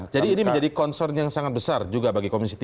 jadi ini menjadi concern yang sangat besar juga bagi komisi tiga